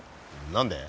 何で？